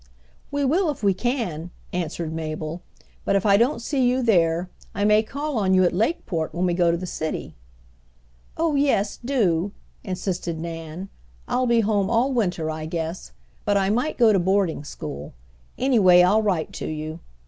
"We will if we can," answered Mabel, "but if I don't see you there, I may call on you at Lakeport, when we go to the city." "Oh yes, do!" insisted Nan. "I'll be home all winter I guess, but I might go to boarding school. Anyhow, I'll write to you.